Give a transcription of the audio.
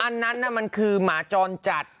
อันนั้นมันคือหมาจรจัด